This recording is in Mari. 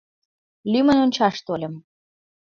Лӱмын ончаш тольым.